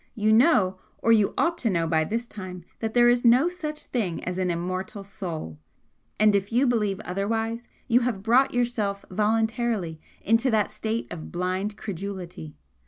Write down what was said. You know, or you ought to know by this time, that there is no such thing as an immortal soul and if you believe otherwise you have brought yourself voluntarily into that state of blind credulity.